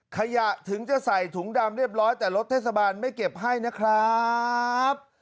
ขยะถึงจะใส่ถุงดำเรียบร้อยแต่รถเทศบาลไม่เก็บให้นะครับ